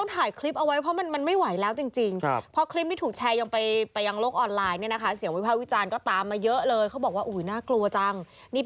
ทำทุกร้านนะปวดท้อง